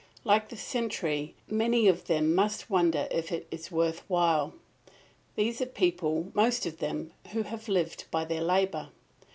Like the sentry, many of them must wonder if it is worth while. These are people, most of them, who have lived by their labour.